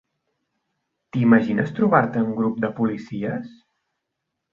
T'imagines trobar-te un grup de policies?